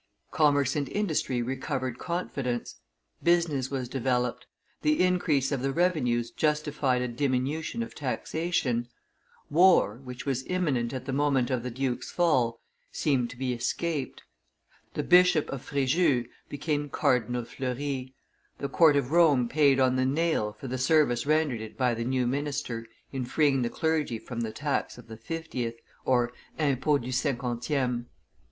Commerce and industry recovered confidence; business was developed; the increase of the revenues justified a diminution of taxation; war, which was imminent at the moment of the duke's fall, seemed to be escaped; the Bishop of Frejus became Cardinal Fleury; the court of Rome paid on the nail for the service rendered it by the new minister in freeing the clergy from the tax of the fiftieth (impot du cinquantieme).